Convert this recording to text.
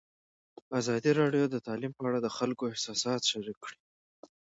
ازادي راډیو د تعلیم په اړه د خلکو احساسات شریک کړي.